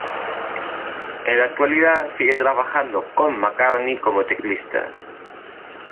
En la actualidad sigue trabajando con McCartney como teclista.